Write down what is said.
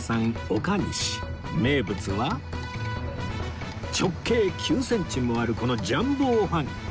名物は直径９センチもあるこのジャンボおはぎ